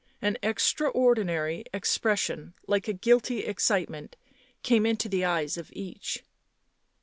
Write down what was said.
An extraordinary expres sion, like a guilty excitement, came into the eyes of each.